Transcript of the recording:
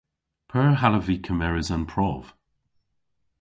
P'eur hallav vy kemeres an prov?